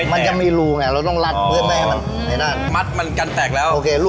อันหนังมันไม่แก่